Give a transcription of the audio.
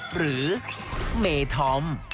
หรือเมย์ทอม